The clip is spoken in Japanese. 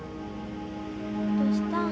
どしたん？